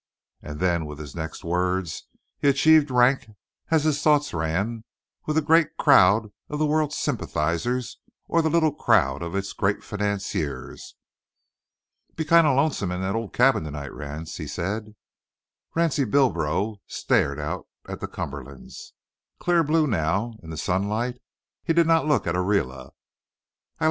And then with his next words he achieved rank (as his thoughts ran) with either the great crowd of the world's sympathizers or the little crowd of its great financiers. "Be kind o' lonesome in the old cabin to night, Ranse," he said. Ransie Bilbro stared out at the Cumberlands, clear blue now in the sunlight. He did not look at Ariela.